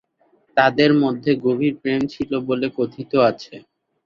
তাদের মধ্যে গভীর প্রেম ছিল বলে কথিত আছে।